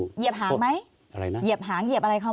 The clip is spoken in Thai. เหยียบหางไหมอะไรนะเหยียบหางเหยียบอะไรเขาไหม